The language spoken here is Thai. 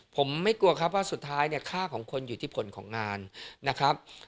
ผมไม่กลัวครับว่าสุดท้ายเนี่ยค่าของคนอยู่ที่ผลของงานนะครับ